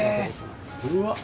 うわっ。